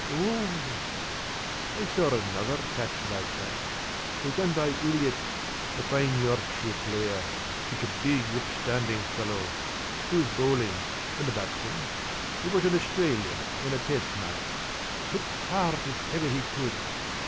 p> "Oo!" "I saw another catch like that. It was done by Ulyett, a fine Yorkshire player such a big, upstanding fellow. He was bowling, and the batsman it was an Australian in a test match hit as hard as ever he could.